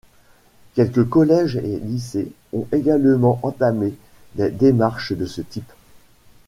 Quelques collèges et lycées ont également entamé des démarches de ce type.